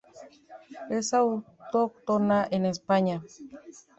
Es autóctona en España.